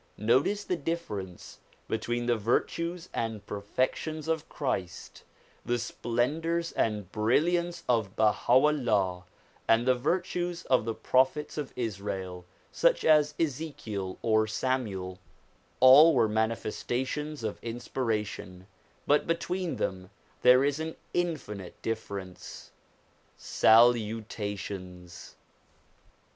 Notice the difference between the virtues and perfections of Christ, the splendours and brilliance of BahaVllah, and the virtues of the Prophets of Israel, such as Ezekiel or SamueL All were the manifesta tions of inspiration, but between them there is an infinite difference. Salutations